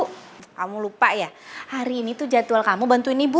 kamu lupa ya hari ini tuh jadwal kamu bantuin ibu